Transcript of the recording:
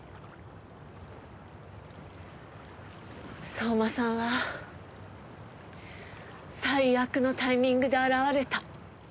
相馬さんは最悪のタイミングで現れた。